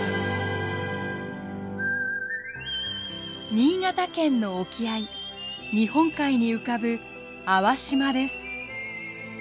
新潟県の沖合日本海に浮かぶ粟島です。